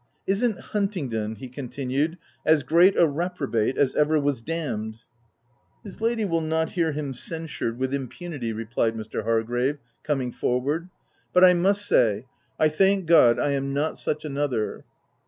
u Isn't Huntingdon," he continued, "as great a re probate as ever was d — d ?" Ci His lady will not hear him censured with VOL. II. N 266 THE TENANT impunity," replied Mr. Hargrave, coming for ward, " but I must say, I thank God I am not such another."